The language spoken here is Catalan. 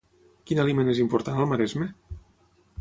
Quin aliment és important al Maresme?